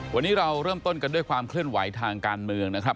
วันนี้เราเริ่มต้นกันด้วยความเคลื่อนไหวทางการเมืองนะครับ